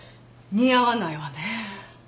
似合わないわね。